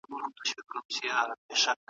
پوهه د هر ډول پرمختګ اساس دی.